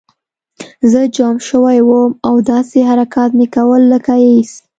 زه جام شوی وم او داسې حرکات مې کول لکه هېڅ